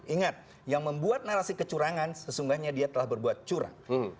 ingat yang membuat narasi kecurangan sesungguhnya dia telah berbuat curang